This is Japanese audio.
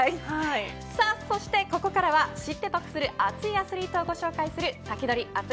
さあここからは知って得する熱いアスリートをご紹介するサキドリ！